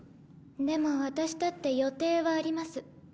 でも私だって予定はあります。